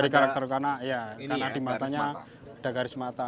karena ada garis mata